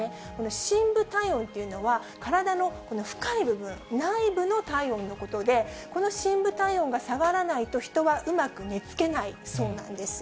深部体温というのは、体のこの深い部分、内部の体温のことで、この深部体温が下がらないと、人はうまく寝つけないそうなんです。